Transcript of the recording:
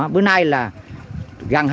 bữa nay là gần hai tháng trời